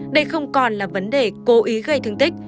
đây không còn là vấn đề cố ý gây thương tích